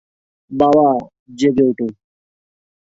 বাবা, জেগে ওঠো।